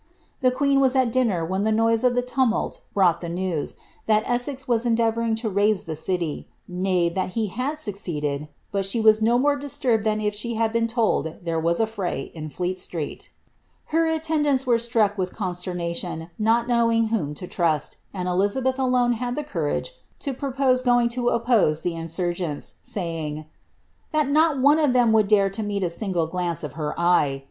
The queen was at dinner when the noise of the tumult brought the news, that Essex was endeavouring to raise the city ; nay, that he had succeeded ; but she was no more disturbed than if she had been told there was a fny in Fleet Street Her attend ants were struck with consternation, not knowing whom to trust ; and Elizabeth alone had the courage to propose going to oppose the insur gents, saying, ^ that not one of them would dare to meet a single glance of her eye.